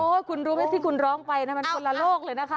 คุณรู้ไหมที่คุณร้องไปมันคนละโลกเลยนะคะ